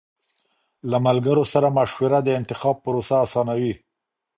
له ملګرو سره مشوره د انتخاب پروسه آسانوي.